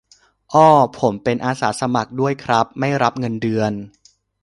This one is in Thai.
อ้อ ผมเป็นอาสาสมัครด้วยครับ ไม่รับเงินเดือน